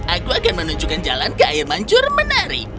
aku akan menunjukkan jalan ke air mancur menarik